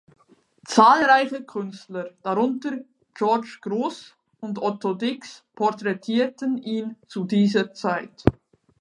Zahlreiche Künstler, darunter George Grosz und Otto Dix, porträtierten ihn zu dieser Zeit.